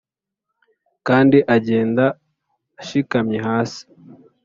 kandi agenda ashikamye hasi.